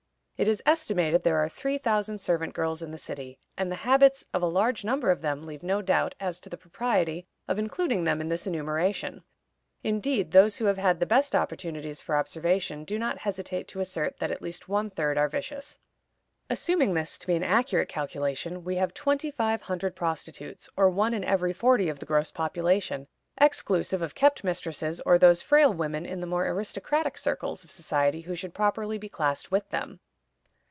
It is estimated there are three thousand servant girls in the city, and the habits of a large number of them leave no doubt as to the propriety of including them in this enumeration; indeed, those who have had the best opportunities for observation do not hesitate to assert that at least one third are vicious. Assuming this to be an accurate calculation, we have 2500 prostitutes, or one in every forty of the gross population, exclusive of kept mistresses, or those frail women in the more aristocratic circles of society who should properly be classed with them.